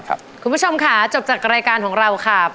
คุณผู้ชมค่ะจบจากรายการของเราค่ะ